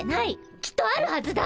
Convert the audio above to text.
きっとあるはずだ。